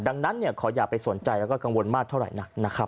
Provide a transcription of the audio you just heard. ดังนั้นขออย่าไปสนใจแล้วก็กังวลมากเท่าไหร่นักนะครับ